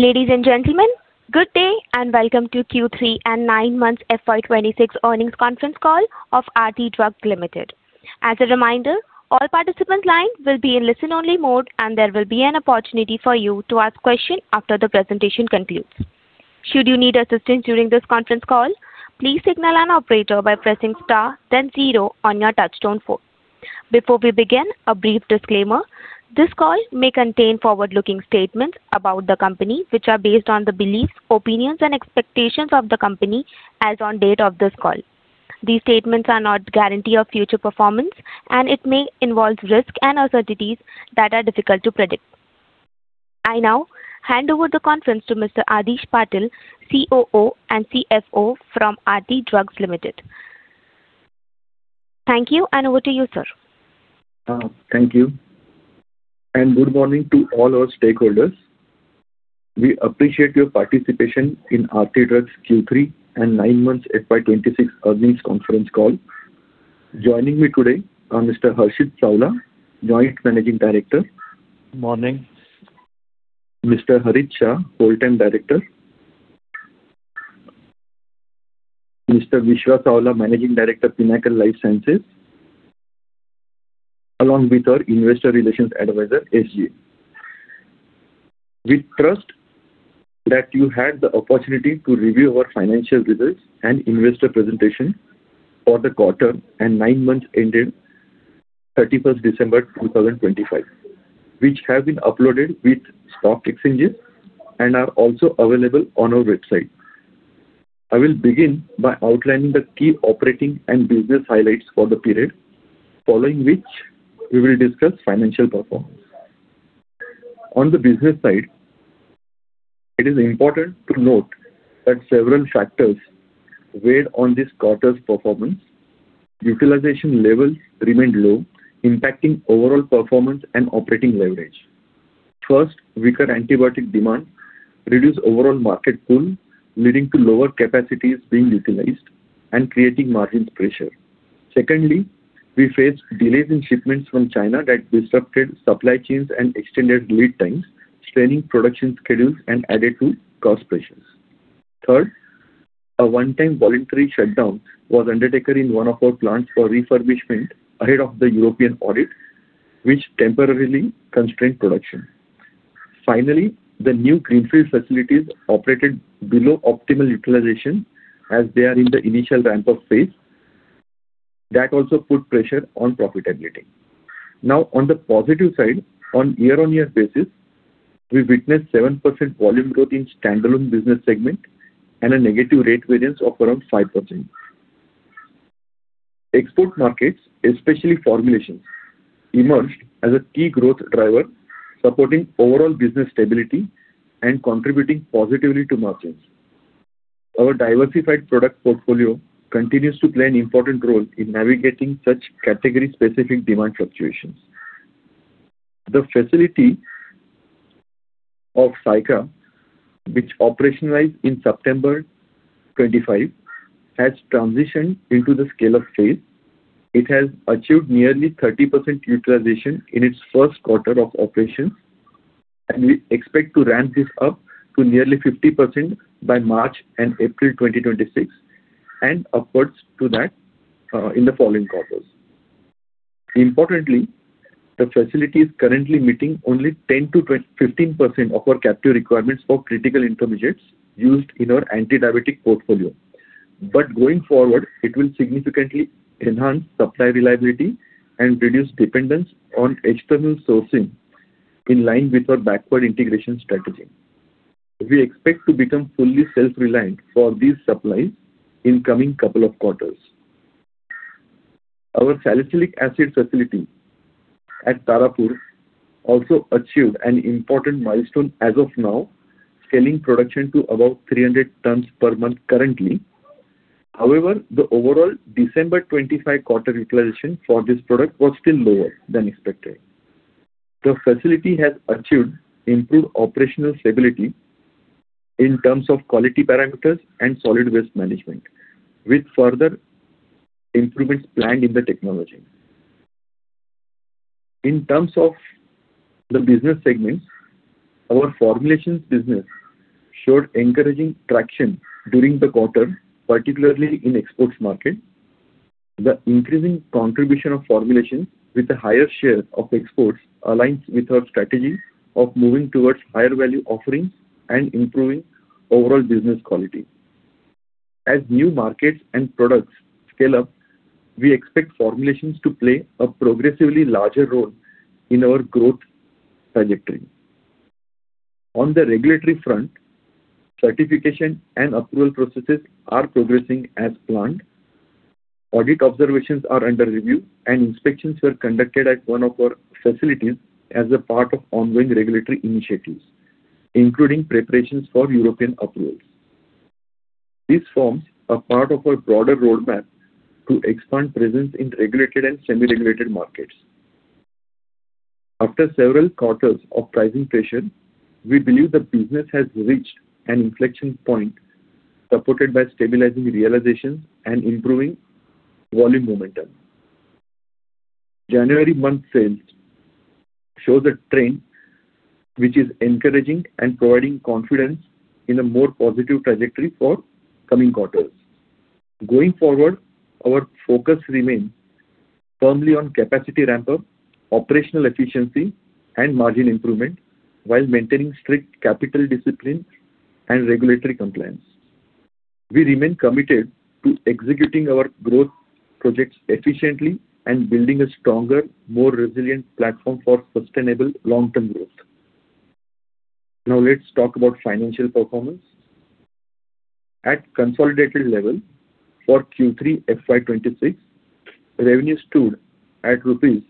Ladies and gentlemen, good day, and welcome to Q3 and nine months FY 2026 earnings conference call of Aarti Drugs Limited. As a reminder, all participant lines will be in listen-only mode, and there will be an opportunity for you to ask questions after the presentation concludes. Should you need assistance during this conference call, please signal an operator by pressing star then zero on your touchtone phone. Before we begin, a brief disclaimer. This call may contain forward-looking statements about the company, which are based on the beliefs, opinions, and expectations of the company as on date of this call. These statements are not guarantee of future performance, and it may involve risks and uncertainties that are difficult to predict. I now hand over the conference to Mr. Adhish Patil, COO and CFO from Aarti Drugs Limited. Thank you, and over to you, sir. Thank you, and good morning to all our stakeholders. We appreciate your participation in Aarti Drugs Q3 and nine months FY 2026 earnings conference call. Joining me today are Mr. Harshit Savla, Joint Managing Director. Morning. Mr. Harshit Shah, Whole Time Director; Mr. Vishwa Savla, Managing Director, Pinnacle Life Science, along with our investor relations advisor, SGA. We trust that you had the opportunity to review our financial results and investor presentation for the quarter and nine months ended 31 December, 2025, which have been uploaded with stock exchanges and are also available on our website. I will begin by outlining the key operating and business highlights for the period, following which we will discuss financial performance. On the business side, it is important to note that several factors weighed on this quarter's performance. Utilization levels remained low, impacting overall performance and operating leverage. First, weaker antibiotic demand reduced overall market pool, leading to lower capacities being utilized and creating margin pressure. Secondly, we faced delays in shipments from China that disrupted supply chains and extended lead times, straining production schedules and added to cost pressures. Third, a one-time voluntary shutdown was undertaken in one of our plants for refurbishment ahead of the European audit, which temporarily constrained production. Finally, the new greenfield facilities operated below optimal utilization as they are in the initial ramp-up phase. That also put pressure on profitability. Now, on the positive side, on year-over-year basis, we witnessed 7% volume growth in standalone business segment and a negative rate variance of around 5%. Export markets, especially formulations, emerged as a key growth driver, supporting overall business stability and contributing positively to margins. Our diversified product portfolio continues to play an important role in navigating such category-specific demand fluctuations. The facility of Saykha, which operationalized in September 2025, has transitioned into the scale-up phase. It has achieved nearly 30% utilization in its first quarter of operation, and we expect to ramp this up to nearly 50% by March and April 2026 and upwards to that in the following quarters. Importantly, the facility is currently meeting only 10%-15% of our captive requirements for critical intermediates used in our anti-diabetic portfolio. But going forward, it will significantly enhance supply reliability and reduce dependence on external sourcing in line with our backward integration strategy. We expect to become fully self-reliant for these supplies in coming couple of quarters. Our Salicylic Acid facility at Tarapur also achieved an important milestone as of now, scaling production to about 300 tons per month currently. However, the overall December 2025 quarter utilization for this product was still lower than expected. The facility has achieved improved operational stability in terms of quality parameters and solid waste management, with further improvements planned in the technology. In terms of the business segments, our formulations business showed encouraging traction during the quarter, particularly in exports market. The increasing contribution of formulations with a higher share of exports aligns with our strategy of moving towards higher value offerings and improving overall business quality. As new markets and products scale up, we expect formulations to play a progressively larger role in our growth trajectory. On the regulatory front, certification and approval processes are progressing as planned. Audit observations are under review, and inspections were conducted at one of our facilities as a part of ongoing regulatory initiatives, including preparations for European approvals. This forms a part of our broader roadmap to expand presence in regulated and semi-regulated markets. After several quarters of pricing pressure, we believe the business has reached an inflection point, supported by stabilizing realization and improving volume momentum. January month sales shows a trend which is encouraging and providing confidence in a more positive trajectory for coming quarters. Going forward, our focus remains firmly on capacity ramp-up, operational efficiency, and margin improvement, while maintaining strict capital discipline and regulatory compliance. We remain committed to executing our growth projects efficiently and building a stronger, more resilient platform for sustainable long-term growth. Now, let's talk about financial performance. At consolidated level for Q3 FY 2026, revenue stood at rupees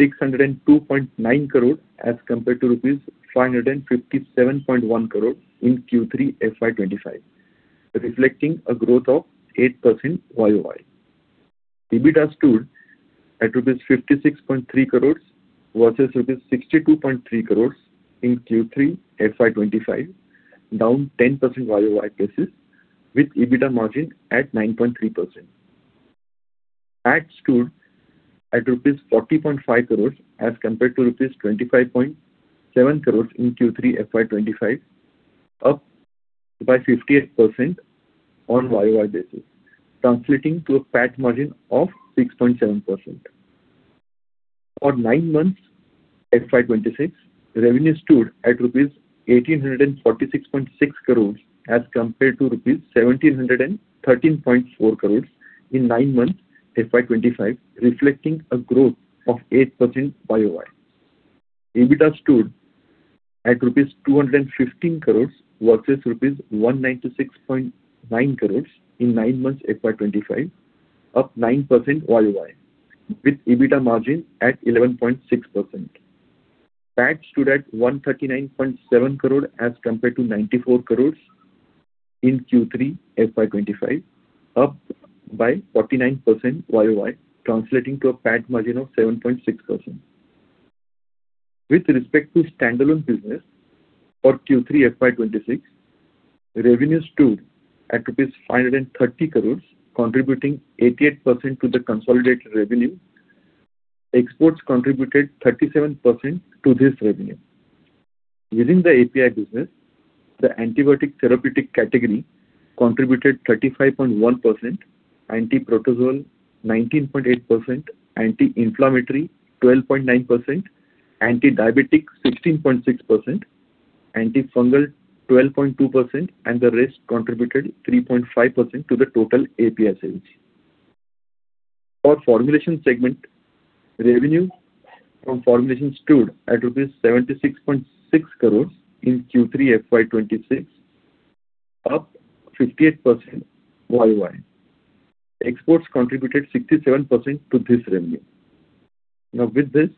602.9 crores, as compared to rupees 557.1 crores in Q3 FY 2025, reflecting a growth of 8% YoY. EBITDA stood at rupees 56.3 crores, versus rupees 62.3 crores in Q3 FY 2025, down 10% YoY basis, with EBITDA margin at 9.3%. PAT stood at rupees 40.5 crores as compared to rupees 25.7 crores in Q3 FY 2025, up by 58% on YoY basis, translating to a PAT margin of 6.7%. For nine months, FY 2026, revenue stood at rupees 1,846.6 crores, as compared to rupees 1,713.4 crores in nine months, FY 2025, reflecting a growth of 8% YoY. EBITDA stood at rupees 215 crores, versus rupees 196.9 crores in nine months, FY 2025, up 9% YoY, with EBITDA margin at 11.6%. PAT stood at 139.7 crore as compared to 94 crore in Q3 FY 2025, up by 49% YoY, translating to a PAT margin of 7.6%. With respect to standalone business for Q3 FY 2026, revenue stood at rupees 530 crore, contributing 88% to the consolidated revenue. Exports contributed 37% to this revenue. Within the API business, the antibiotic therapeutic category contributed 35.1%, anti-protozoal 19.8%, anti-inflammatory 12.9%, anti-diabetic 16.6%, antifungal 12.2%, and the rest contributed 3.5% to the total API sales. For formulation segment, revenue from formulation stood at rupees 76.6 crore in Q3 FY 2026, up 58% YoY. Exports contributed 67% to this revenue. Now, with this,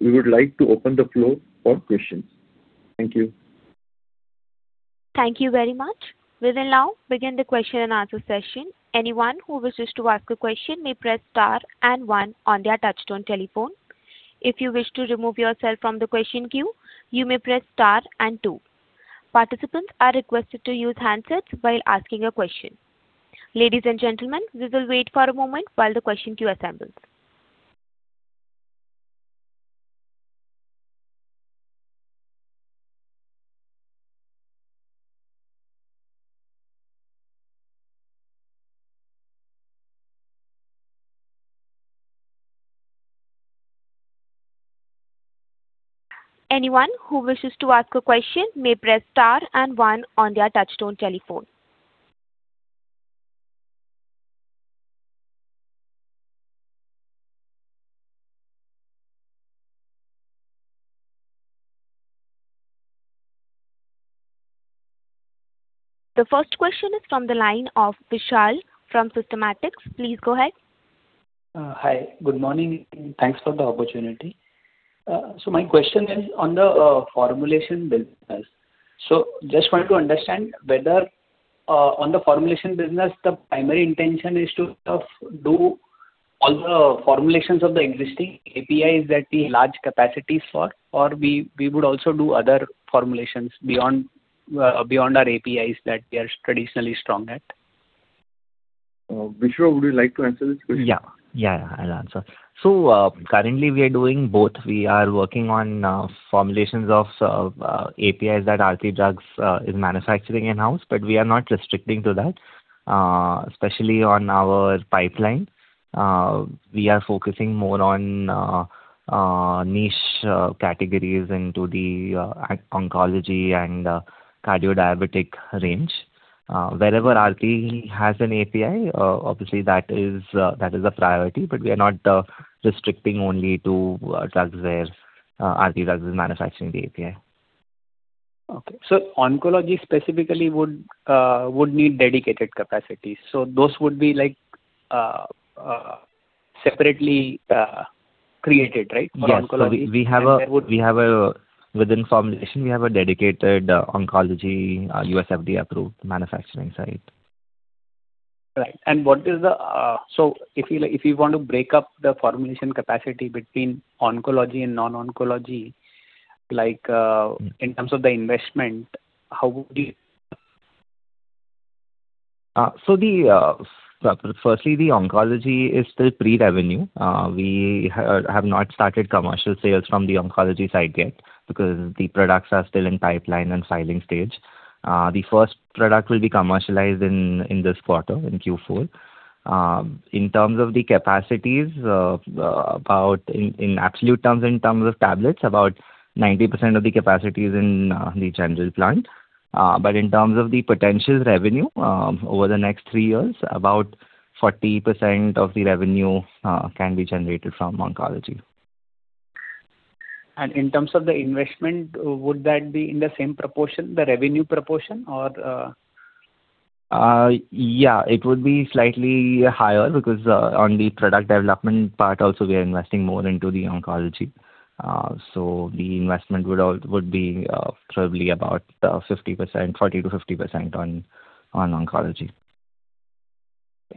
we would like to open the floor for questions. Thank you. Thank you very much. We will now begin the question-and-answer session. Anyone who wishes to ask a question may press star and one on their touchtone telephone. If you wish to remove yourself from the question queue, you may press star and two. Participants are requested to use handsets while asking a question. Ladies and gentlemen, we will wait for a moment while the question queue assembles. Anyone who wishes to ask a question may press star and one on their touchtone telephone. The first question is from the line of Vishal from Systematix. Please go ahead. Hi. Good morning, thanks for the opportunity. So my question is on the formulation business. So just want to understand whether, on the formulation business, the primary intention is to do all the formulations of the existing APIs that we have large capacities for, or we, we would also do other formulations beyond, beyond our APIs that we are traditionally strong at? Vishwa, would you like to answer this question? Yeah. Yeah, I'll answer. So, currently we are doing both. We are working on formulations of APIs that Aarti Drugs is manufacturing in-house, but we are not restricting to that. Especially on our pipeline, we are focusing more on niche categories into the oncology and cardio diabetic range. Wherever Aarti Drugs has an API, obviously that is a priority, but we are not restricting only to drugs where Aarti Drugs is manufacturing the API. Okay. So oncology specifically would need dedicated capacities, so those would be like separately created, right, for oncology? Yes. Within formulation, we have a dedicated oncology US FDA-approved manufacturing site. Right. So if you, if you want to break up the formulation capacity between oncology and non-oncology, like, in terms of the investment, how would you-... First, the oncology is still pre-revenue. We have not started commercial sales from the oncology side yet, because the products are still in pipeline and filing stage. The first product will be commercialized in this quarter, in Q4. In terms of the capacities, in absolute terms, in terms of tablets, about 90% of the capacity is in the General plant. But in terms of the potential revenue, over the next three years, about 40% of the revenue can be generated from oncology. In terms of the investment, would that be in the same proportion, the revenue proportion or? Yeah, it would be slightly higher because on the product development part also, we are investing more into the oncology. So the investment would be probably about 50%, 40%-50% on oncology.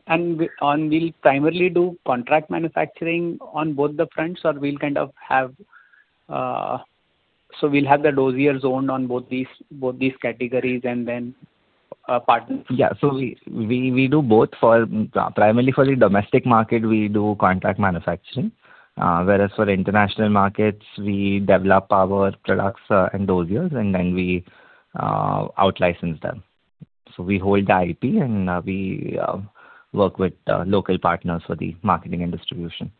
We'll primarily do contract manufacturing on both the fronts, or we'll kind of have. So we'll have the dossiers owned on both these, both these categories and then, partners? Yeah. So we do both for, primarily for the domestic market, we do contract manufacturing, whereas for the international markets, we develop our products, and dossiers, and then we out-license them. So we hold the IP, and, we work with local partners for the marketing and distribution.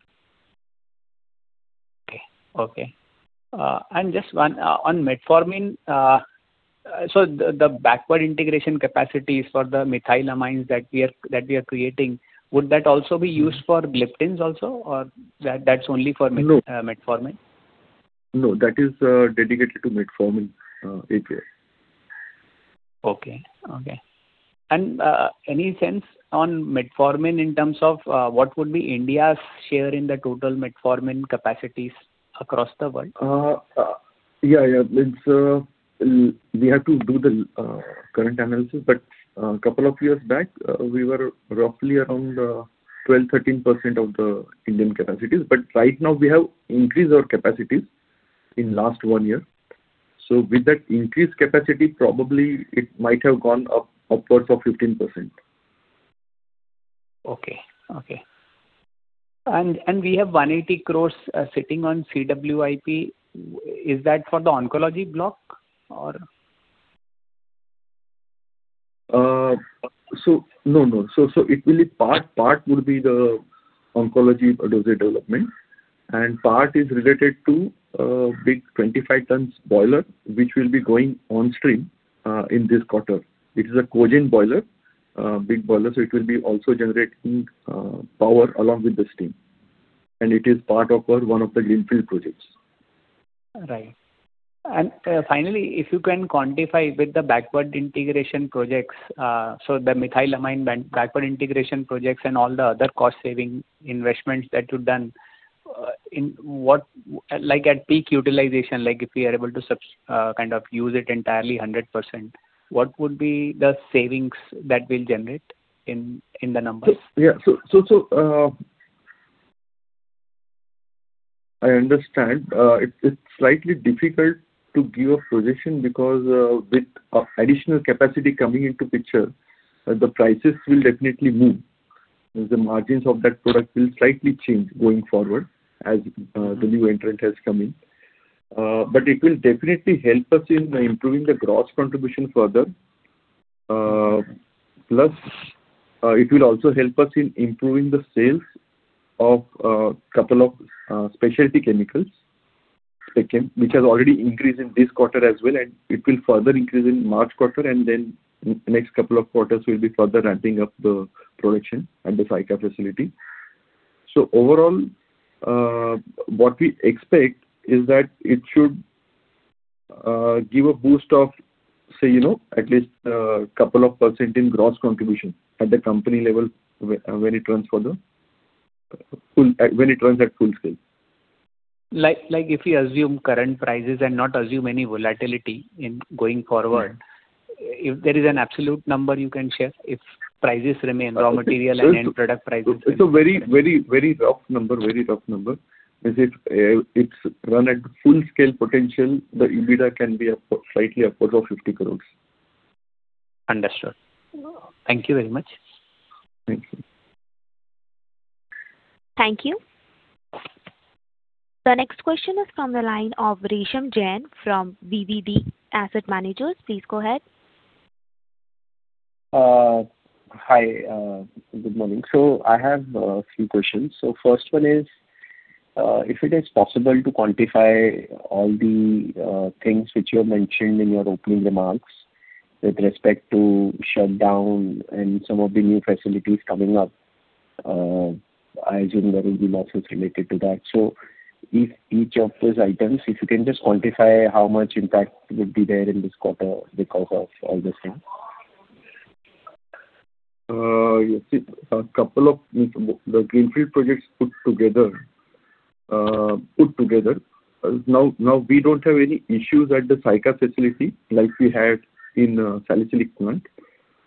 Okay, okay. And just one on Metformin, so the, the backward integration capacities for the methylamines that we are, that we are creating, would that also be used for Gliptins also, or that, that's only for- No. Metformin? No, that is, dedicated to Metformin, API. Okay, okay. And, any sense on Metformin in terms of, what would be India's share in the total Metformin capacities across the world? Yeah, yeah. It's we have to do the current analysis, but couple of years back we were roughly around 12%-13% of the Indian capacities. But right now we have increased our capacity in last one year. So with that increased capacity, probably it might have gone up upwards of 15%. Okay, okay. And, and we have 180 crore sitting on CWIP. Is that for the oncology block or...? So no, no. So it will be part would be the oncology dose development, and part is related to big 25 tons boiler, which will be going on stream in this quarter. It is a cogen boiler, big boiler, so it will be also generating power along with the steam. And it is part of our one of the greenfield projects. Right. And finally, if you can quantify with the backward integration projects, so the methylamine and backward integration projects and all the other cost saving investments that you've done, in what... Like at peak utilization, like if we are able to sub, kind of use it entirely 100%, what would be the savings that we'll generate in, in the numbers? Yeah, I understand it's slightly difficult to give a projection because with additional capacity coming into picture, the prices will definitely move. The margins of that product will slightly change going forward as the new entrant has come in. But it will definitely help us in improving the gross contribution further. Plus, it will also help us in improving the sales of couple of specialty chemicals, Spechem, which has already increased in this quarter as well, and it will further increase in March quarter, and then next couple of quarters will be further ramping up the production and the Saykha facility. Overall, what we expect is that it should give a boost of, say, you know, at least couple of % in gross contribution at the company level when it runs further, when it runs at full scale. Like, like if we assume current prices and not assume any volatility in going forward- Yeah. - If there is an absolute number you can share, if prices remain raw material and end product prices. It's a very, very, very rough number, very rough number. It's run at full scale potential, the EBITDA can be up, slightly upwards of 50 crores. Understood. Thank you very much. Thank you. Thank you. The next question is from the line of Resham Jain from DSP Asset Managers. Please go ahead. Hi, good morning. So I have a few questions. So first one is, if it is possible to quantify all the things which you have mentioned in your opening remarks with respect to shutdown and some of the new facilities coming up, I assume there will be losses related to that. So if each of those items, if you can just quantify how much impact would be there in this quarter because of all this things? You see, a couple of the greenfield projects put together. Now we don't have any issues at the Saykha facility like we had in salicylic plant.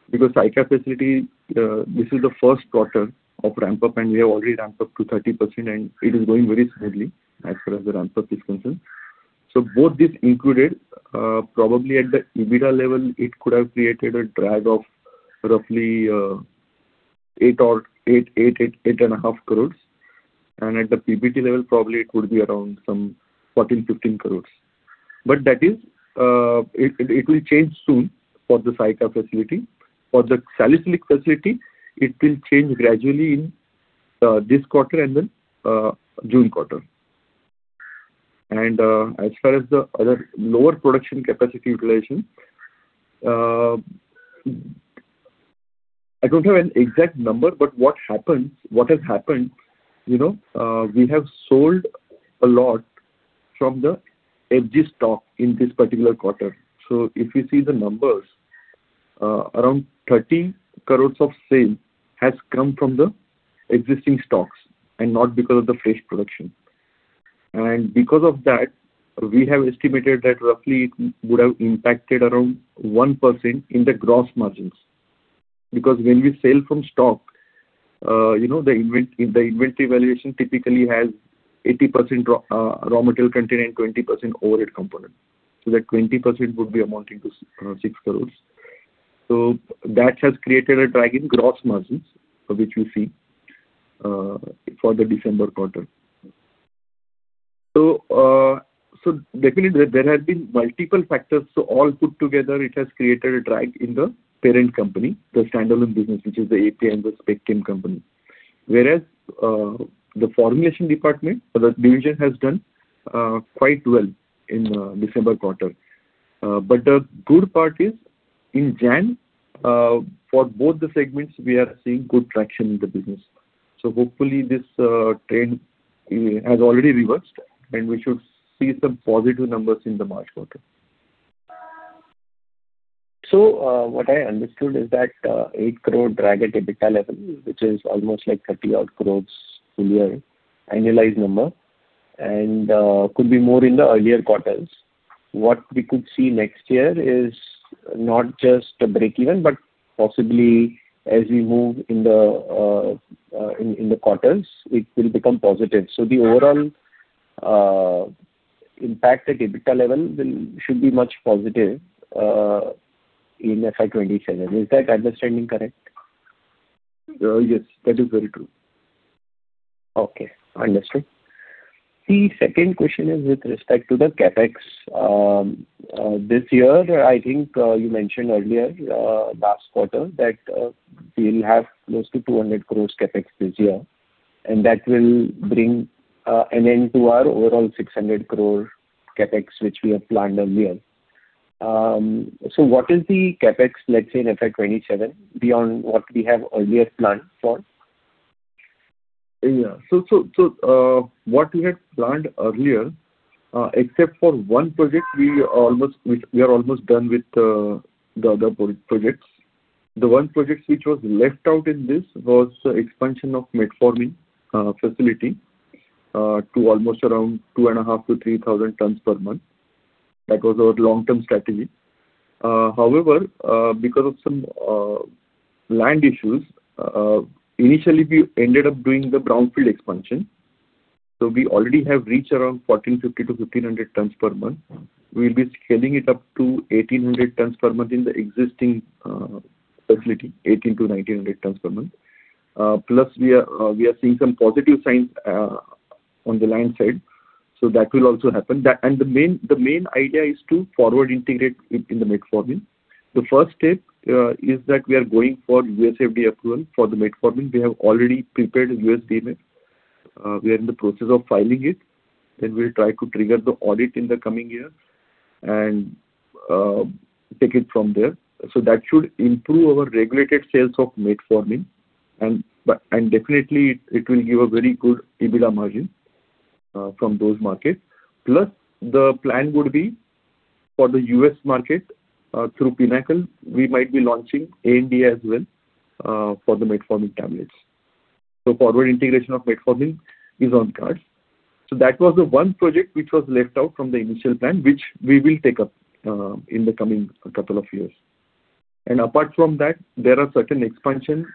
Because Saykha facility, this is the first quarter of ramp-up, and we have already ramped up to 30%, and it is going very smoothly as far as the ramp-up is concerned. So both this included, probably at the EBITDA level, it could have created a drag of roughly 8 crores-8.5 crores. And at the PBT level, probably it would be around some 14 crores-15 crores. But that is, it will change soon for the Saykha facility. For the salicylic facility, it will change gradually in this quarter and then June quarter. As far as the other lower production capacity utilization, I don't have an exact number, but what has happened, you know, we have sold a lot from the FG stock in this particular quarter. So if you see the numbers, around 30 crore of sale has come from the existing stocks and not because of the fresh production. And because of that, we have estimated that roughly it would have impacted around 1% in the gross margins. Because when we sell from stock, you know, the inventory valuation typically has 80% raw material content and 20% overhead component. So that 20% would be amounting to 6 crore. So that has created a drag in gross margins for which you see for the December quarter. So, definitely there have been multiple factors. So all put together, it has created a drag in the parent company, the standalone business, which is the API and the Spechem company. Whereas, the formulations division has done quite well in the December quarter. But the good part is in January, for both the segments, we are seeing good traction in the business. So hopefully this trend has already reversed, and we should see some positive numbers in the March quarter. So, what I understood is that, 8 crore drag at EBITDA level, which is almost like 30-odd crores full year annualized number, and, could be more in the earlier quarters. What we could see next year is not just a break-even, but possibly as we move in the quarters, it will become positive. So the overall, impact at EBITDA level will, should be much positive, in FY 2027. Is that understanding correct? Yes, that is very true. Okay, understood. The second question is with respect to the CapEx. This year, I think, you mentioned earlier, last quarter, that, we'll have close to 200 crore CapEx this year, and that will bring, an end to our overall 600 crore CapEx, which we have planned earlier. So what is the CapEx, let's say, in FY 2027, beyond what we have earlier planned for? Yeah. So, what we had planned earlier, except for one project, we are almost, we are almost done with, the other projects. The one project which was left out in this was expansion of Metformin facility to almost around 2,500-3,000 tons per month. That was our long-term strategy. However, because of some land issues, initially we ended up doing the brownfield expansion. So we already have reached around 1,450-1,500 tons per month. We'll be scaling it up to 1,800 tons per month in the existing facility, 1,800-1,900 tons per month. Plus we are seeing some positive signs on the land side, so that will also happen. And the main idea is to forward integrate in the Metformin. The first step is that we are going for US FDA approval for the Metformin. We have already prepared a USDMF. We are in the process of filing it, and we'll try to trigger the audit in the coming year and take it from there. So that should improve our regulated sales of Metformin, and but definitely it will give a very good EBITDA margin from those markets. Plus, the plan would be for the US market, through Pinnacle, we might be launching ANDA as well for the Metformin tablets. So forward integration of Metformin is on cards. So that was the one project which was left out from the initial plan, which we will take up in the coming couple of years. And apart from that, there are certain expansion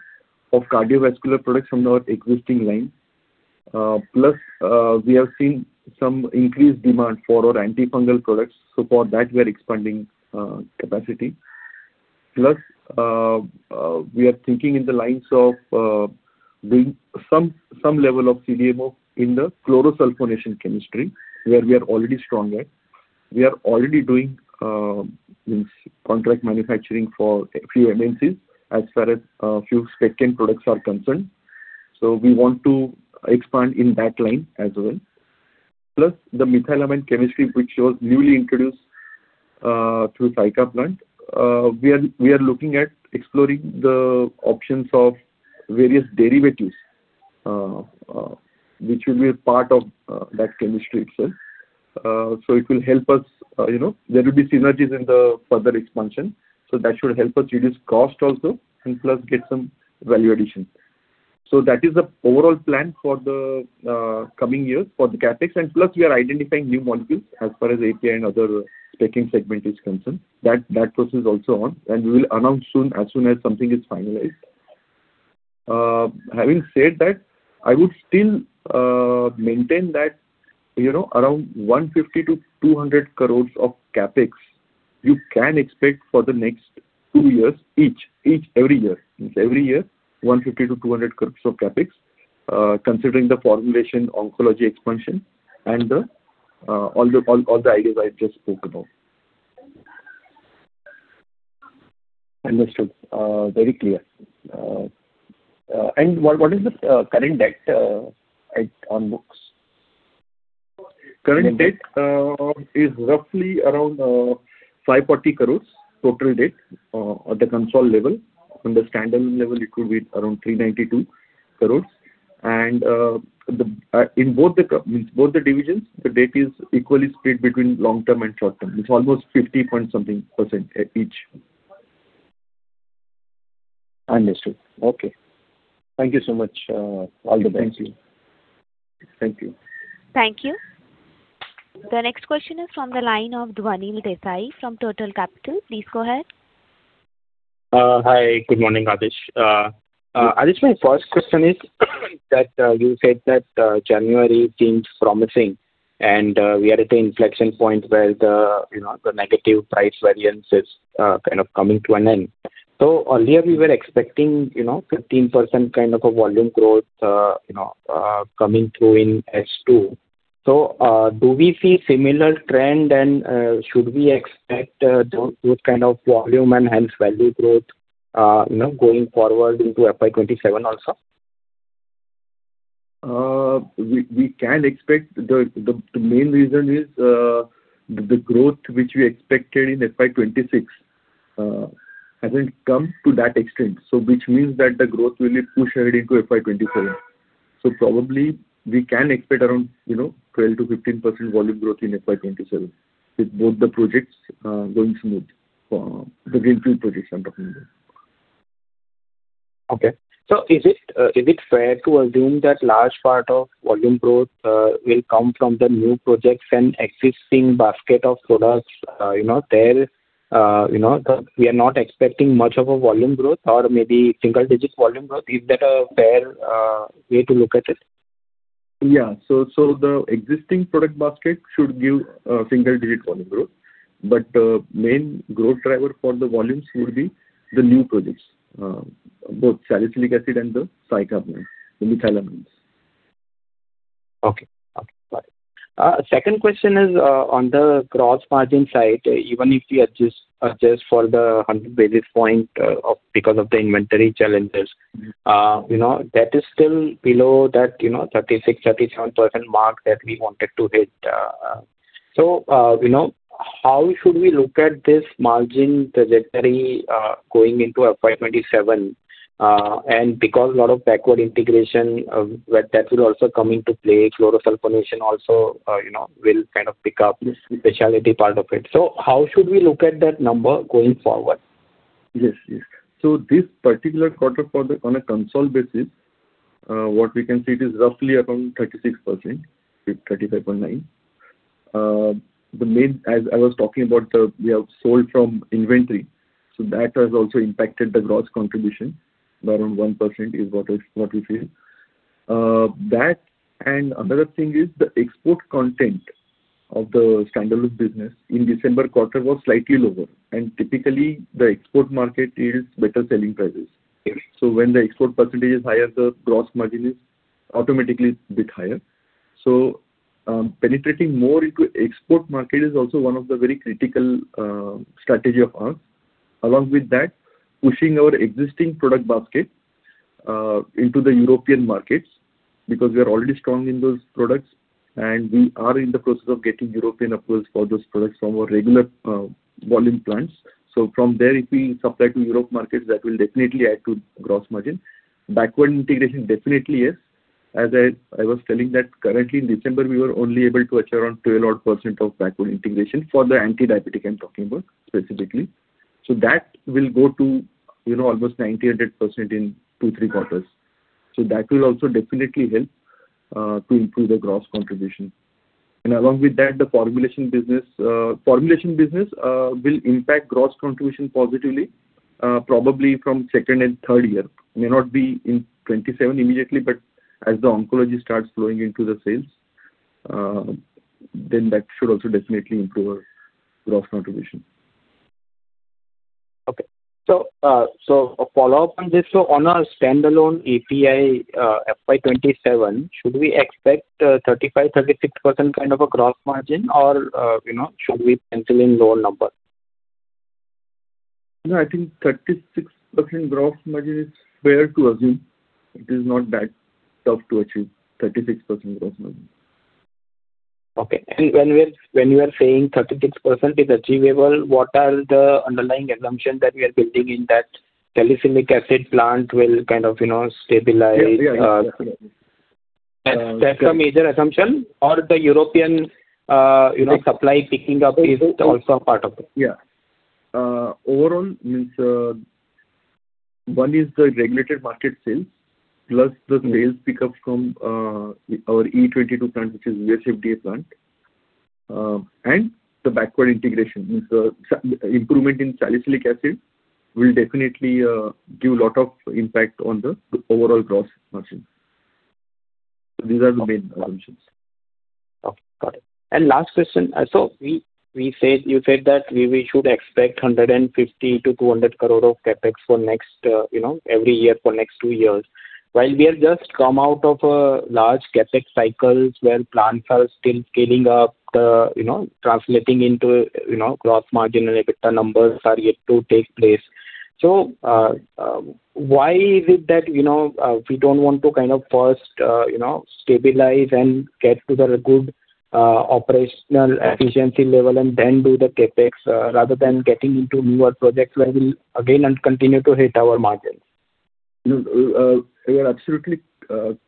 of cardiovascular products from our existing line. Plus, we have seen some increased demand for our antifungal products, so for that, we are expanding capacity. Plus, we are thinking in the lines of doing some level of CDMO in the chlorosulfonation chemistry, where we are already strong at. We are already doing means contract manufacturing for a few MNCs as far as few second products are concerned. So we want to expand in that line as well. Plus, the methylamine chemistry, which was newly introduced through Saykha plant, we are looking at exploring the options of various derivatives, which will be a part of that chemistry itself. So it will help us, you know, there will be synergies in the further expansion, so that should help us reduce cost also, and plus get some value addition. So that is the overall plan for the coming years for the CapEx, and plus, we are identifying new molecules as far as API and other second segment is concerned. That process is also on, and we will announce soon, as soon as something is finalized. Having said that, I would still maintain that, you know, around 150 crores-200 crores of CapEx you can expect for the next two years, each every year. Each every year, 150 crores-200 crores of CapEx, considering the formulation oncology expansion and the all the ideas I just spoke about. Understood. Very clear. And what is the current debt on books? Current debt is roughly around 540 crore, total debt at the consolidated level. On the standalone level, it could be around 392 crore. In both the divisions, the debt is equally split between long-term and short-term. It's almost 50 point something percent each. Understood. Okay. Thank you so much, all the best. Thank you. Thank you. Thank you. The next question is from the line of Dhwanil Desai from Turtle Capital. Please go ahead. Hi, good morning, Adhish. Adhish, my first question is that you said that January seems promising, and we are at an inflection point where the, you know, the negative price variance is kind of coming to an end. So earlier we were expecting, you know, 15% kind of a volume growth, you know, coming through in H2. So, do we see similar trend, and should we expect the good kind of volume and hence value growth, you know, going forward into FY 2027 also? We can expect the main reason is the growth which we expected in FY 2026 hasn't come to that extent, so which means that the growth will be pushed ahead into FY 2027. So probably we can expect around, you know, 12%-15% volume growth in FY 2027, with both the projects going smooth, the greenfield projects I'm talking about. Okay. So is it fair to assume that large part of volume growth will come from the new projects and existing basket of products, you know, there, you know, the... We are not expecting much of a volume growth or maybe single digits volume growth. Is that a fair way to look at it? Yeah. So, so the existing product basket should give a single-digit volume growth. But the main growth driver for the volumes will be the new projects, both Salicylic Acid and the Thiocarbamate, the Methylamine. Okay. Okay, got it. Second question is on the gross margin side, even if we adjust for the 100 basis points because of the inventory challenges, you know, that is still below that, you know, 36%-37% mark that we wanted to hit. So, you know, how should we look at this margin trajectory going into FY 2027? And because a lot of backward integration, that will also come into play, chlorosulfonation also, you know, will kind of pick up the specialty part of it. So how should we look at that number going forward? Yes, yes. So this particular quarter for the, on a consolidated basis, what we can see it is roughly around 36%, with 35.9. The main, as I was talking about the, we have sold from inventory, so that has also impacted the gross contribution, around 1% is what is-- what we feel. That, and another thing is the export content of the standalone business in December quarter was slightly lower, and typically, the export market is better selling prices. Yes. So when the export percentage is higher, the gross margin is automatically a bit higher. So, penetrating more into export market is also one of the very critical, strategy of ours. Along with that, pushing our existing product basket, into the European markets, because we are already strong in those products, and we are in the process of getting European approvals for those products from our regular, volume plants. So from there, if we supply to Europe markets, that will definitely add to gross margin. Backward integration, definitely, yes. As I was telling that currently in December, we were only able to achieve around 12% odd of backward integration for the anti-diabetic I'm talking about, specifically. So that will go to, you know, almost 90%, 100% in two, three quarters. So that will also definitely help, to improve the gross contribution. Along with that, the formulation business will impact gross contribution positively, probably from second and third year. May not be in 2027 immediately, but as the oncology starts flowing into the sales, then that should also definitely improve our gross contribution. Okay. So, so a follow-up on this. So on a standalone API, FY 2027, should we expect, 35%-36% kind of a gross margin or, you know, should we pencil in lower number? No, I think 36% gross margin is fair to assume. It is not that tough to achieve 36% gross margin. Okay. And when we're, when you are saying 36% is achievable, what are the underlying assumptions that we are building in that? Salicylic acid plant will kind of, you know, stabilize. Yeah, yeah, definitely. That's, that's a major assumption? Or the European, you know, supply picking up is also a part of it. Yeah. Overall, one is the regulated market sales, plus the sales pickup from our E-22 plant, which is USFDA plant. And the backward integration is the improvement in salicylic acid will definitely give a lot of impact on the overall gross margin. So these are the main options. Okay, got it. And last question, so we said, you said that we should expect 150 crore-200 crore of CapEx for next, you know, every year for next two years. While we have just come out of a large CapEx cycles where plants are still scaling up, you know, translating into gross margin and EBITDA numbers are yet to take place. So, why is it that, you know, we don't want to kind of first, you know, stabilize and get to the good operational efficiency level and then do the CapEx, rather than getting into newer projects where we'll again and continue to hit our margins? No, you're absolutely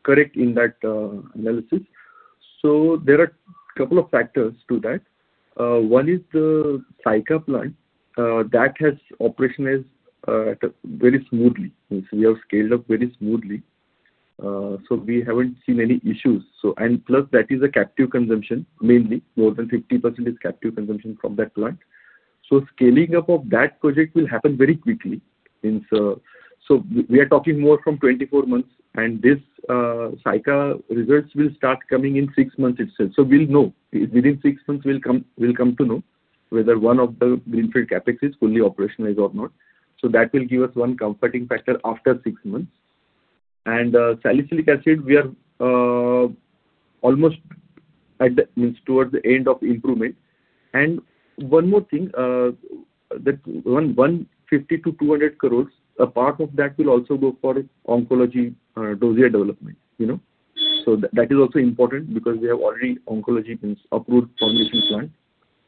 correct in that analysis. So there are a couple of factors to that. One is the Saykha plant that has operationalized very smoothly. Since we have scaled up very smoothly, so we haven't seen any issues. So and plus, that is a captive consumption, mainly more than 50% is captive consumption from that plant. So scaling up of that project will happen very quickly. Since, so we are talking more from 24 months, and this, Saykha results will start coming in six months itself. So we'll know. Within six months, we'll come to know whether one of the greenfield CapEx is fully operationalized or not. So that will give us one comforting factor after six months. And salicylic acid, we are almost towards the end of improvement. And one more thing, that 150 crores-200 crores, a part of that will also go for oncology dosage development, you know? So that is also important because we have already oncology approved formulation plant,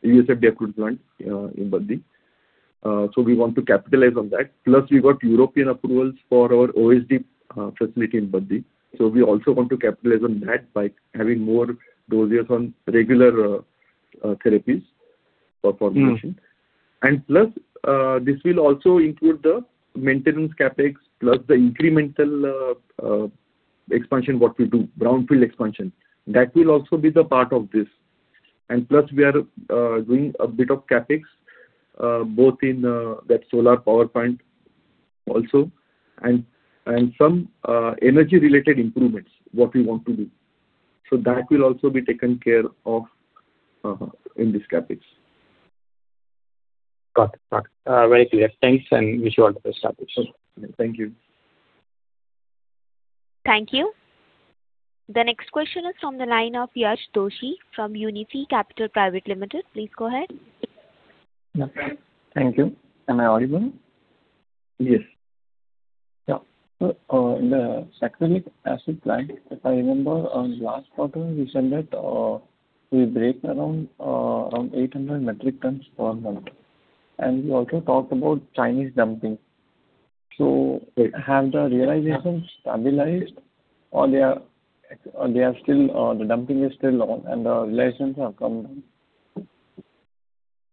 USFDA approved plant in Baddi. So we want to capitalize on that. Plus, we got European approvals for our OSD facility in Baddi. So we also want to capitalize on that by having more doses on regular therapies or formulation. Mm. And plus, this will also include the maintenance CapEx, plus the incremental expansion, what we do, brownfield expansion. That will also be the part of this. And plus, we are doing a bit of CapEx, both in that solar power plant also, and some energy-related improvements, what we want to do. So that will also be taken care of in this CapEx. Got it. Got it. Very clear. Thanks, and wish you all the best, Adhish. Thank you. Thank you. The next question is from the line of Yash Doshi from UniFi Capital Private Limited. Please go ahead. Thank you. Am I audible? Yes. Yeah. So, the Salicylic Acid plant, if I remember, last quarter, you said that, we break around, around 800 metric tons per month. And you also talked about Chinese dumping. So- Yeah. Have the realizations stabilized, or they are still, the dumping is still on and the realizations have come down?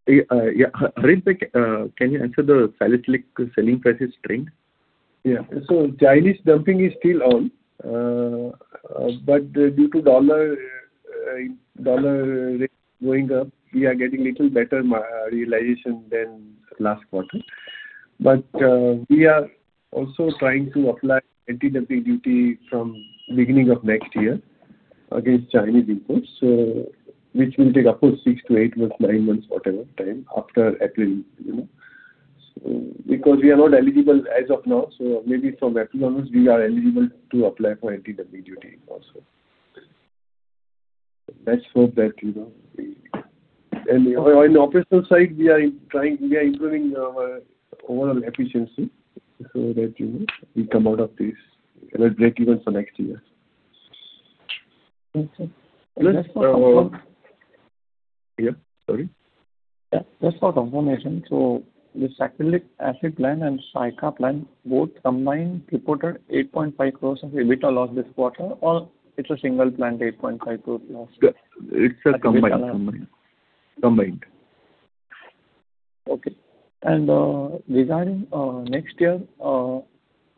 Yeah, yeah. Harshit, can you answer the Salicylic selling prices trend? Yeah. So Chinese dumping is still on. But due to dollar rate going up, we are getting little better margin realization than last quarter. But we are also trying to apply anti-dumping duty from beginning of next year against Chinese imports, which will take, of course, six to eight months, nine months, whatever time after April, you know. So because we are not eligible as of now, so maybe from April onwards, we are eligible to apply for anti-dumping duty also. Let's hope that, you know. And on the operational side, we are trying, we are improving our overall efficiency so that, you know, we come out of this, and we're breakeven for next year. Okay. Yeah. Sorry. Yeah. Just for confirmation, so the Salicylic Acid plant and Saykha plant, both combined reported 8.5 crores of EBITDA loss this quarter, or it's a single plant, 8.5 crore loss? It's a combined. Okay. And, regarding next year,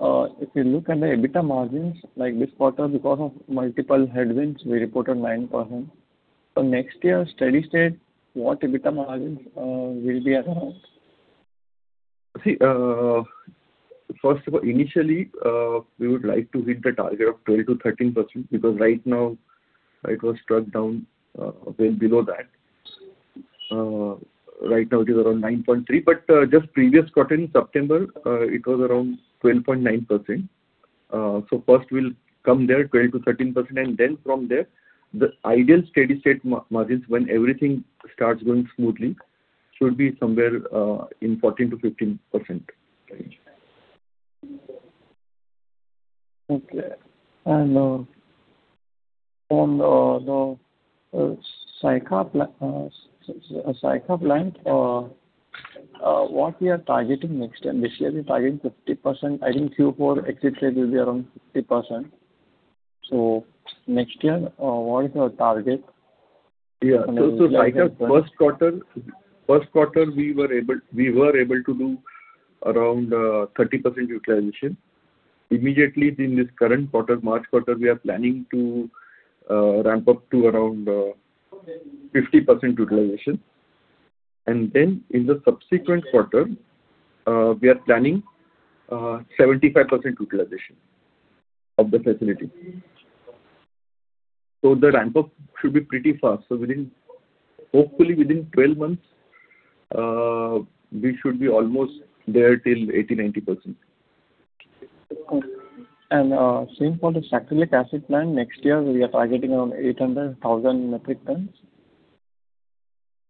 if you look at the EBITDA margins, like this quarter, because of multiple headwinds, we reported 9%. So next year, steady state, what EBITDA margin will be around? See, first of all, initially, we would like to hit the target of 12%-13%, because right now it was struck down, well below that. Right now, it is around 9.3%, but, just previous quarter in September, it was around 12.9%. So first we'll come there, 12%-13%, and then from there, the ideal steady state margins when everything starts going smoothly, should be somewhere, in 14%-15% range. Okay. On the Saykha plant, what we are targeting next year? This year, we're targeting 50%. I think Q4 exit rate will be around 50%. Next year, what is our target? Yeah. So, Saykha first quarter, we were able to do around 30% utilization... immediately in this current quarter, March quarter, we are planning to ramp up to around 50% utilization. And then in the subsequent quarter, we are planning 75% utilization of the facility. So the ramp up should be pretty fast. So within, hopefully within 12 months, we should be almost there till 80%-90%. Okay. Same for the Salicylic Acid plant, next year we are targeting around 800,000 metric tons?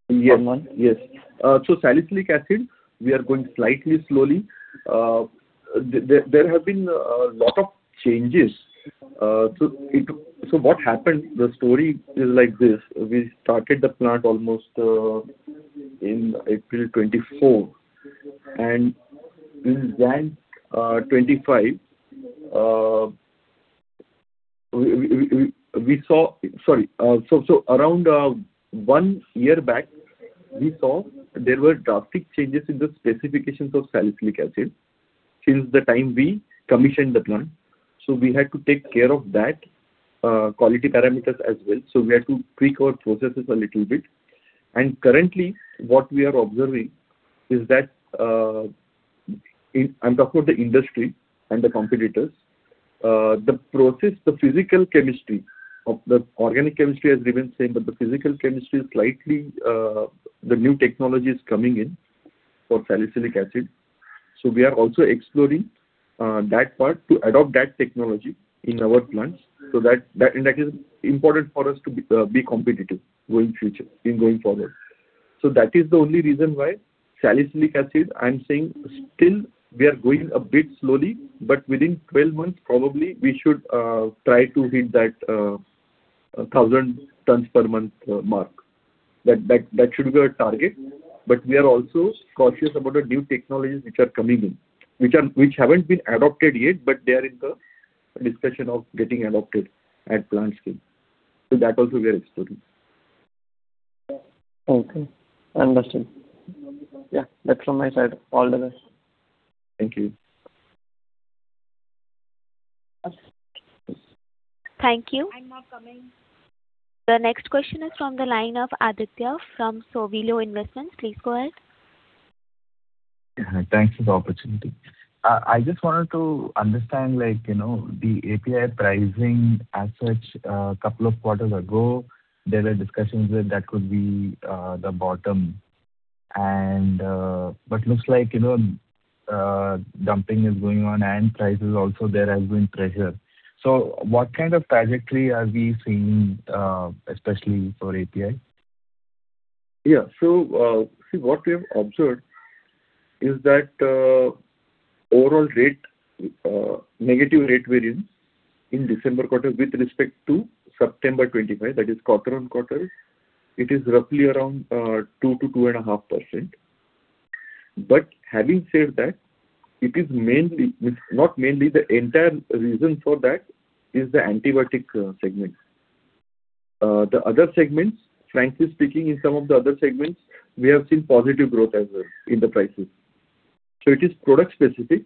Yes. Per month. Yes. So Salicylic acid, we are going slightly slowly. There have been a lot of changes. So what happened, the story is like this: We started the plant almost in April 2024, and in January 2025, we saw. Around 1 year back, we saw there were drastic changes in the specifications of Salicylic acid since the time we commissioned the plant. So we had to take care of that quality parameters as well. So we had to tweak our processes a little bit. And currently, what we are observing is that, I'm talking about the industry and the competitors, the process, the physical chemistry of the organic chemistry has remained same, but the physical chemistry is slightly, the new technology is coming in for Salicylic acid. So we are also exploring that part to adopt that technology in our plants. So that, that, and that is important for us to be competitive going future, in going forward. So that is the only reason why Salicylic Acid, I'm saying still we are going a bit slowly, but within 12 months, probably, we should try to hit that 1,000 tons per month mark. That, that, that should be our target. But we are also cautious about the new technologies which are coming in, which are, which haven't been adopted yet, but they are in the discussion of getting adopted at plant scale. So that also we are exploring. Okay, understood. Yeah, that's from my side. All the best. Thank you. Thank you. The next question is from the line of Aditya from Sowilo Investments. Please go ahead. Thanks for the opportunity. I just wanted to understand, like, you know, the API pricing as such, couple of quarters ago, there were discussions that that could be the bottom. But looks like, you know, dumping is going on and prices also there has been pressure. So what kind of trajectory are we seeing, especially for API? Yeah. So, see, what we have observed is that overall rate negative rate variance in December quarter with respect to September 2025, that is quarter-over-quarter, it is roughly around 2%-2.5%. But having said that, it is mainly, it's not mainly, the entire reason for that is the antibiotic segment. The other segments, frankly speaking, in some of the other segments, we have seen positive growth as well in the prices. So it is product specific.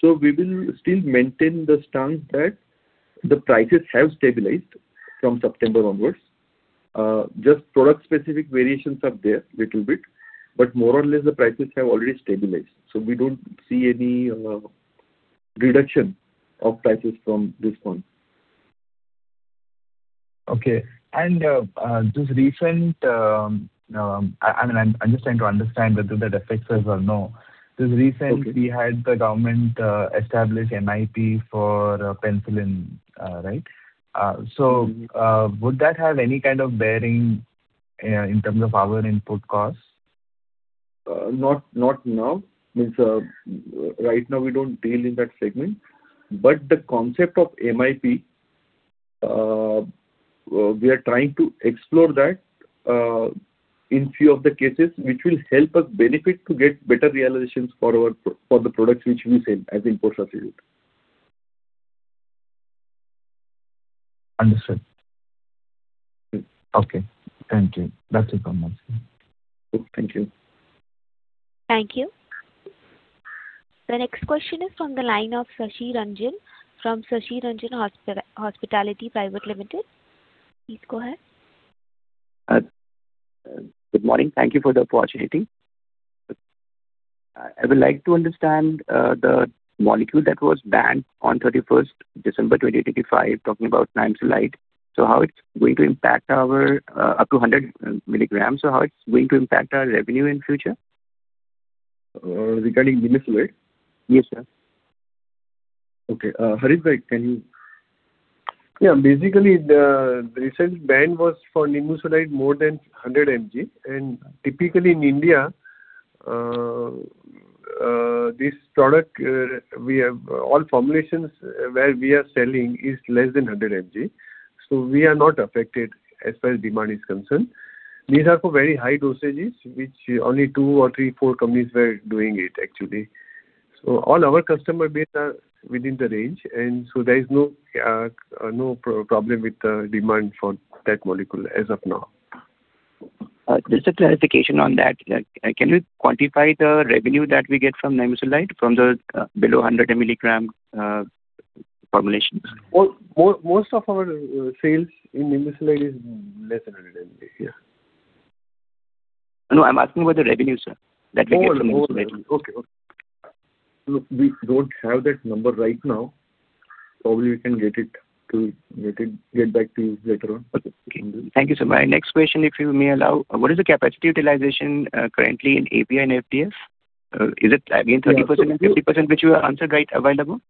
So we will still maintain the stance that the prices have stabilized from September onwards. Just product specific variations are there, little bit, but more or less the prices have already stabilized. So we don't see any reduction of prices from this point. Okay. And this recent, I mean, I'm just trying to understand whether that affects us or no? Okay. This recent, we had the government establish MIP for penicillin, right? So, would that have any kind of bearing in terms of our input costs? Not now. Means right now we don't deal in that segment. But the concept of MIP, we are trying to explore that in few of the cases, which will help us benefit to get better realizations for our products which we sell as importer facility. Understood. Mm-hmm. Okay, thank you. That's it from my side. Thank you. Thank you. The next question is from the line of Sashi Ranjan from Sasiranjan Hospitality Private Limited. Please go ahead. Good morning. Thank you for the opportunity. I would like to understand the molecule that was banned on 31st December 2025, talking about Nimesulide. So how it's going to impact our up to 100 mg, so how it's going to impact our revenue in future? Regarding nimesulide? Yes, sir. Okay. Harshit, can you...? Yeah, basically, the recent ban was for Nimesulide more than 100 mg. Typically in India, this product, we have all formulations where we are selling is less than 100 mg, so we are not affected as far as demand is concerned. These are for very high dosages, which only 2 or 3, 4 companies were doing it, actually. So all our customer base are within the range, and so there is no problem with the demand for that molecule as of now.... Just a clarification on that. Like, can you quantify the revenue that we get from Nimesulide from the below 100 milligram formulations? Most of our sales in Nimesulide is less than 100 mg, yeah. No, I'm asking about the revenue, sir, that we get from Nimesulide. Okay. Okay. We don't have that number right now. Probably we can get back to you later on. Okay. Thank you, sir. My next question, if you may allow, what is the capacity utilization currently in API and FDS? Is it again 30% or 50%, which you answered right away then?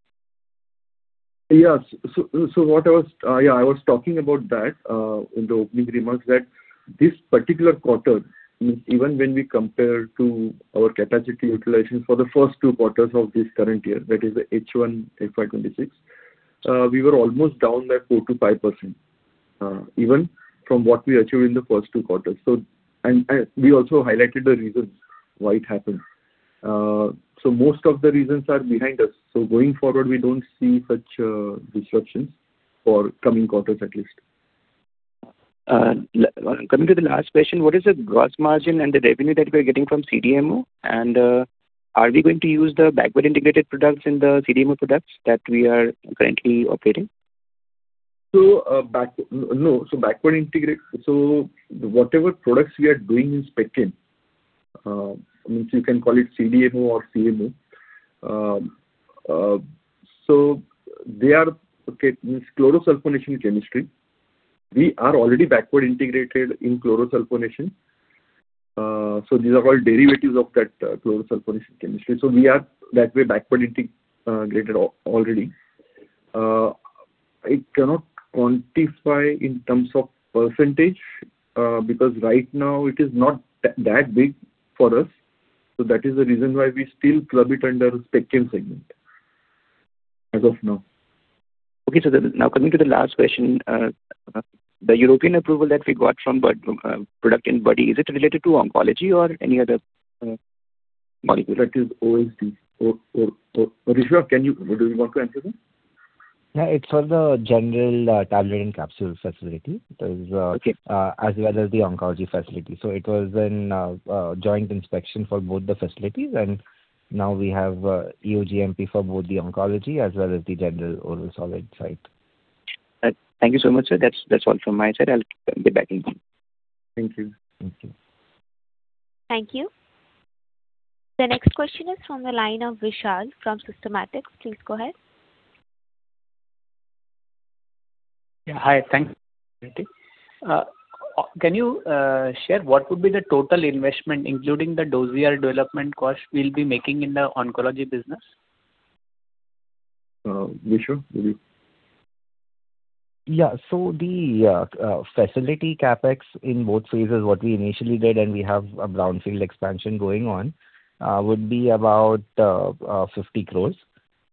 Yes. So what I was talking about, yeah, in the opening remarks, that this particular quarter, even when we compare to our capacity utilization for the first two quarters of this current year, that is, the H1 FY 2026, we were almost down by 4%-5%, even from what we achieved in the first two quarters. So, and we also highlighted the reasons why it happened. So most of the reasons are behind us. So going forward, we don't see such disruptions for coming quarters, at least. Coming to the last question, what is the gross margin and the revenue that we are getting from CDMO? And, are we going to use the backward integrated products in the CDMO products that we are currently operating? So whatever products we are doing in Spechem means you can call it CDMO or CMO. So they are chlorosulfonation chemistry. We are already backward integrated in chlorosulfonation. So these are all derivatives of that chlorosulfonation chemistry. So we are that way, backward integrated already. I cannot quantify in terms of percentage because right now it is not that big for us. So that is the reason why we still club it under Spechem segment, as of now. Okay, so now coming to the last question, the European approval that we got from Baddi, is it related to oncology or any other molecule? That is OSD. Rishabh, can you... Do you want to answer that? Yeah. It's for the general tablet and capsule facility. It is- Okay. as well as the oncology facility. So it was in joint inspection for both the facilities, and now we have EU-GMP for both the oncology as well as the general oral solid site. Thank you so much, sir. That's, that's all from my side. I'll get back in queue. Thank you. Thank you. Thank you. The next question is from the line of Vishal from Systematix. Please go ahead. Yeah, hi. Thank you. Can you share what would be the total investment, including the dossier development cost, we'll be making in the oncology business? Rishabh, maybe. Yeah. So the facility CapEx in both phases, what we initially did, and we have a brownfield expansion going on, would be about 50 crores.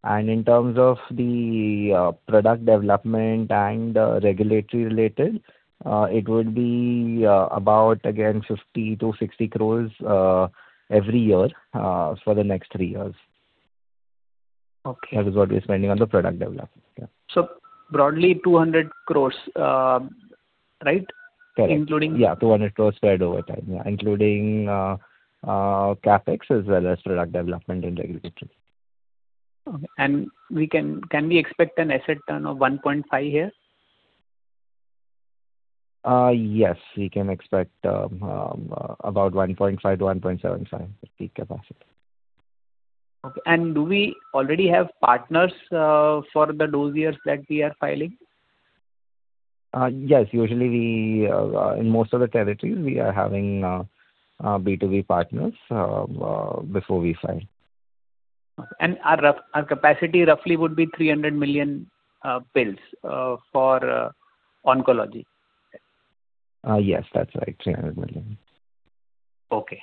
And in terms of the product development and regulatory related, it would be about again, 50 crores-60 crores every year for the next three years. Okay. That is what we're spending on the product development. Yeah. Broadly, 200 crore, right? Correct. Including- Yeah, 200 crores spread over time. Yeah, including CapEx as well as product development and regulatory. Okay. Can we expect an asset turn of 1.5 here? Yes, we can expect about 1.5-1.75 peak capacity. Okay. And do we already have partners for the dossiers that we are filing? Yes. Usually we, in most of the territories, we are having B2B partners before we file. Our capacity, roughly, would be 300 million pills for oncology. Yes, that's right. INR 300 million. Okay. Okay,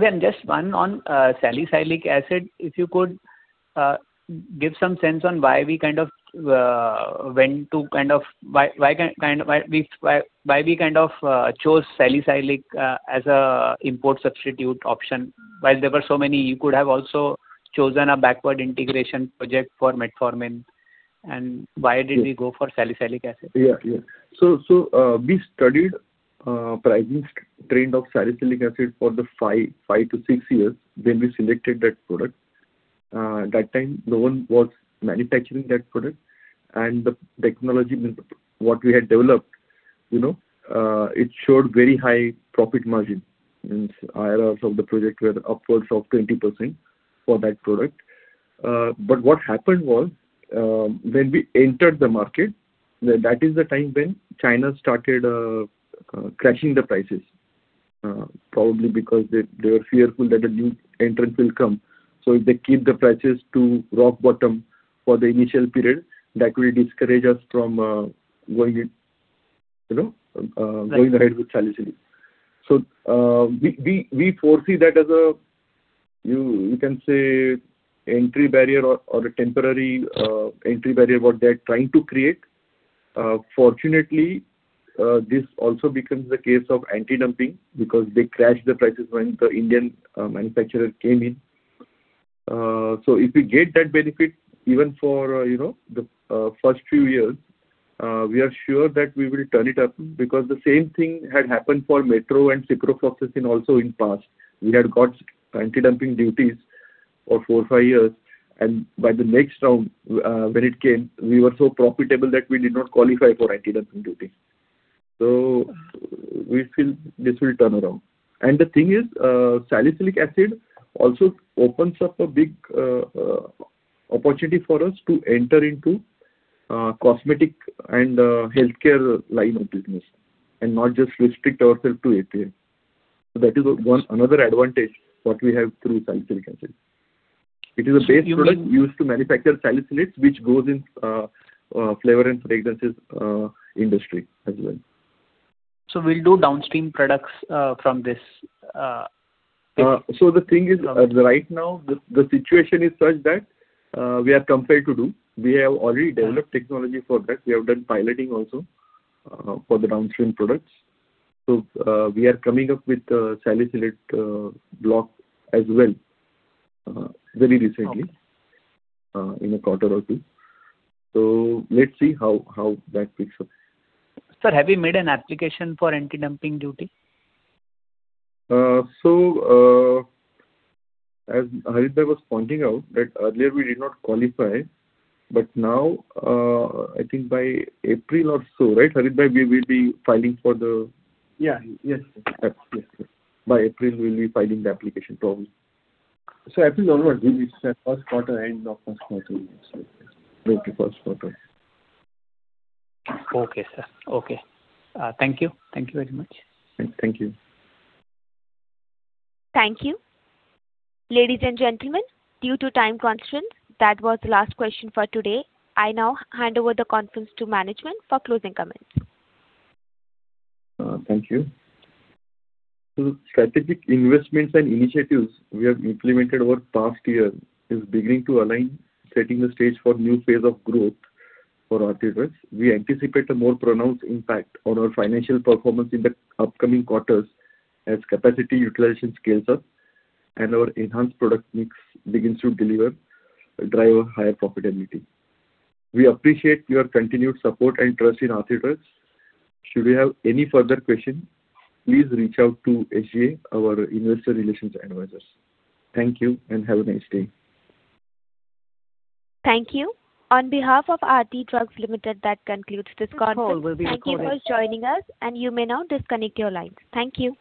and just one on salicylic acid. If you could give some sense on why we kind of went to kind of why we kind of chose Salicylic Acid as an import substitute option, while there were so many? You could have also chosen a backward integration project for Metformin. And why did we go for Salicylic Acid? Yeah. Yeah. So, we studied price trend of Salicylic Acid for the 5-6 years, then we selected that product. That time, no one was manufacturing that product, and the technology, what we had developed, you know, it showed very high profit margin, and IRR of the project were upwards of 20% for that product. But what happened was, when we entered the market, that is the time when China started crashing the prices, probably because they were fearful that a new entrant will come. So if they keep the prices to rock bottom for the initial period, that will discourage us from going, you know, going ahead with salicylic. So, we foresee that as a, you can say, entry barrier or a temporary entry barrier, what they're trying to create. Fortunately, this also becomes a case of anti-dumping because they crashed the prices when the Indian manufacturer came in. So if we get that benefit, even for, you know, the first few years, we are sure that we will turn it up because the same thing had happened for Metronidazole and Ciprofloxacin also in past. We had got anti-dumping duties for 4-5 years, and by the next round, when it came, we were so profitable that we did not qualify for anti-dumping duty. So we feel this will turn around. The thing is, Salicylic acid also opens up a big opportunity for us to enter into cosmetic and healthcare line of business, and not just restrict ourselves to API. That is another advantage what we have through Salicylic acid. It is a base product used to manufacture salicylates, which goes in flavor and fragrances industry as well. So we'll do downstream products from this API? So the thing is, right now, the situation is such that we are compelled to do. We have already developed technology for that. We have done piloting also for the downstream products. So we are coming up with a salicylate block as well, very recently, in a quarter or two. So let's see how that picks up. Sir, have you made an application for anti-dumping duty? So, as Harshit-bhai was pointing out, that earlier we did not qualify, but now, I think by April or so, right, Harshit-bhai, we will be filing for the Yeah. Yes. Yes. By April, we'll be filing the application, probably. So April or first quarter, end of first quarter, late first quarter. Okay, sir. Okay. Thank you. Thank you very much. Thank you. Thank you. Ladies and gentlemen, due to time constraints, that was the last question for today. I now hand over the conference to management for closing comments. Thank you. So strategic investments and initiatives we have implemented over the past year is beginning to align, setting the stage for a new phase of growth for Aarti Drugs. We anticipate a more pronounced impact on our financial performance in the upcoming quarters as capacity utilization scales up and our enhanced product mix begins to deliver and drive higher profitability. We appreciate your continued support and trust in Aarti Drugs. Should you have any further questions, please reach out to SGA, our investor relations advisors. Thank you, and have a nice day. Thank you. On behalf of Aarti Drugs Limited, that concludes this conference call. Thank you for joining us, and you may now disconnect your lines. Thank you!